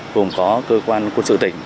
gồm có cơ quan quân sự tỉnh